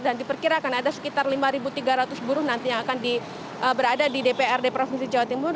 dan diperkirakan ada sekitar lima ribu tiga ratus buruh nanti yang akan di berada di dprd provinsi jawa timur